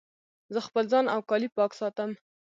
زه خپل ځان او کالي پاک ساتم.